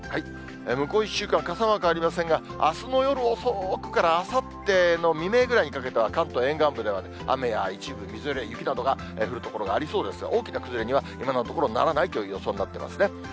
向こう１週間、傘マークありませんが、あすの夜遅くからあさっての未明ぐらいにかけては、関東沿岸部では雨や一部みぞれ、雪などが降る所がありそうですが、大きな崩れには、今のところならないという予想になってますね。